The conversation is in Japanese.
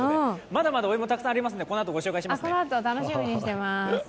まだまだお芋ありますのでこのあとご紹介します。